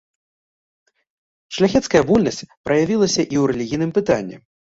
Шляхецкая вольнасць праявілася і ў рэлігійным пытанні.